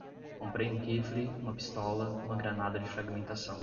Comprei um rifle, uma pistola, uma granada de fragmentação